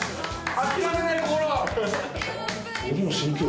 諦めない心！